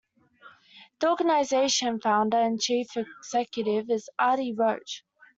The organisation's founder and chief executive is Adi Roche.